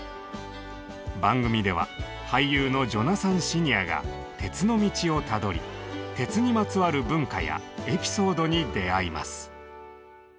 番組では俳優のジョナサン・シニアが「鉄の道」をたどり鉄にまつわる文化やエピソードに出会います。